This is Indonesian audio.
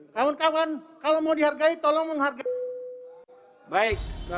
kawan kawan kalau mau dihargai tolong menghargai